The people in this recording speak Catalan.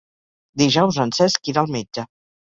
Dijous en Cesc irà al metge.